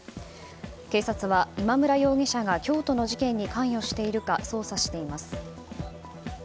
警察は、今村容疑者が京都の事件に関与しているか捜査しています。